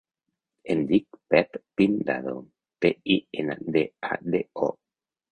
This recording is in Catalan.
Em dic Pep Pindado: pe, i, ena, de, a, de, o.